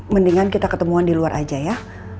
mendingan kita ketemuan di luar aja ya